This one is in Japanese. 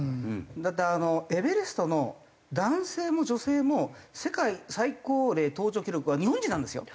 だってエベレストの男性も女性も世界最高齢登頂記録は日本人なんですよ。